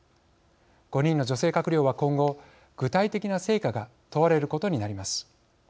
５人の女性閣僚は、今後具体的な成果が問われることになります。